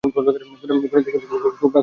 বনিদি কিন্তু খুব রাগ হবে তোমার ওপর।